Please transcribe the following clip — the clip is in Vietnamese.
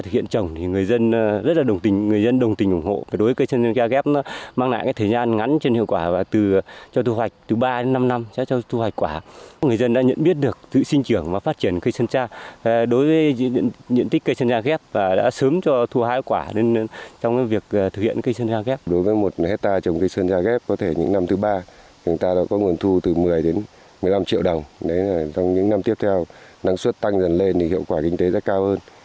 trong những năm tiếp theo năng suất tăng dần lên thì hiệu quả kinh tế sẽ cao hơn